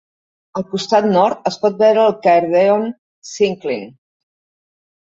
Al costat nord es pot veure el "Caerdion Syncline".